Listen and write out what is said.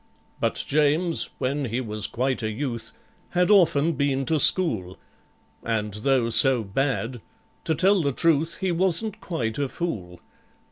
But JAMES, when he was quite a youth, Had often been to school, And though so bad, to tell the truth, He wasn't quite a fool.